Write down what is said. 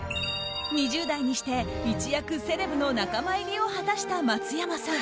２０代にして、一躍セレブの仲間入りを果たした松山さん。